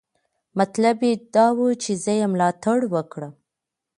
مطلب یې دا و چې زه یې ملاتړ وکړم.